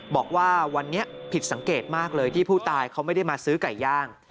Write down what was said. บอกว่าวันนี้ผิดสังเกตมากเลยที่ผู้ตายเขาไม่ได้มาซื้อไก่ย่าง